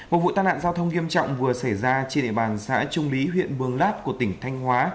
một vụ tai nạn giao thông nghiêm trọng vừa xảy ra trên địa bàn xã trung lý huyện mường lát của tỉnh thanh hóa